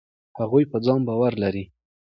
هغوی په ځان باور لري.